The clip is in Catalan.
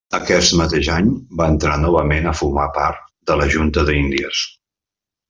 Aquest mateix any va entrar novament a formar part de la Junta d'Índies.